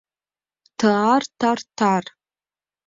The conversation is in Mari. Ты-а-ар, та-ар, тар.